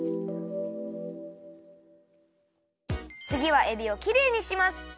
つぎはえびをきれいにします。